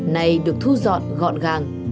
này được thu dọn gọn gàng